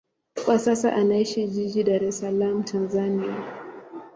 Kwa sasa anaishi jijini Dar es Salaam, Tanzania.